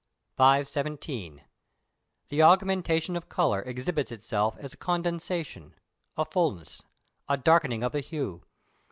517. The augmentation of colour exhibits itself as a condensation, a fulness, a darkening of the hue.